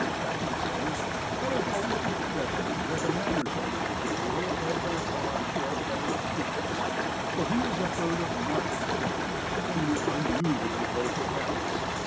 Chapman says: "I have always regretted that the manners of this vireo have been a bar to our better acquaintance, for he is a bird of marked character and with unusual vocal talents.